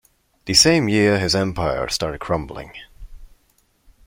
The same year his empire started crumbling.